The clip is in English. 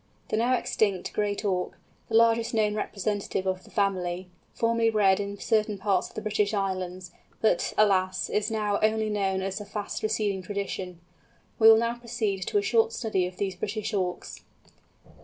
The now extinct Great Auk—the largest known representative of the family—formerly bred in certain parts of the British Islands, but, alas, is now only known as a fast receding tradition. We will now proceed to a short study of these British Auks.